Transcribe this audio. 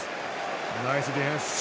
ナイスディフェンス。